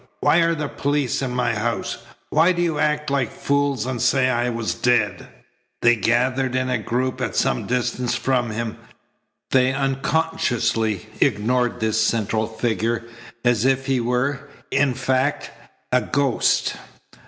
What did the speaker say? Why are the police in my house? Why do you act like fools and say I was dead?" They gathered in a group at some distance from him. They unconsciously ignored this central figure, as if he were, in fact, a ghost.